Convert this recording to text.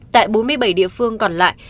tại bốn mươi bảy địa phương còn lại